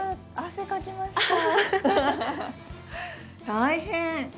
大変。